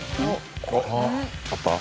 あった？